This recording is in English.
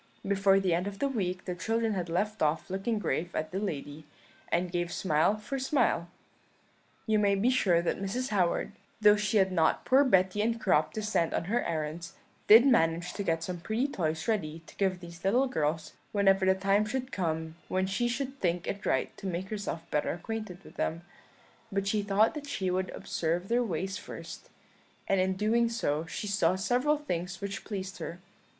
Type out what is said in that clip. Before the end of the week the children had left off looking grave at the lady, and gave smile for smile. You may be sure that Mrs. Howard, though she had not poor Betty and Crop to send on her errands, did manage to get some pretty toys ready to give these little girls whenever the time should come when she should think it right to make herself better acquainted with them; but she thought that she would observe their ways first, and in doing so she saw several things which pleased her.